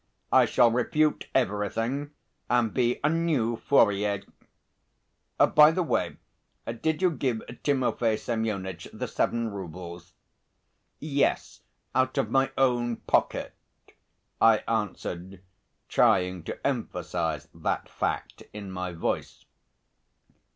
I shall refute everything and be a new Fourier. By the way, did you give Timofey Semyonitch the seven roubles?" "Yes, out of my own pocket," I answered, trying to emphasise that fact in my voice.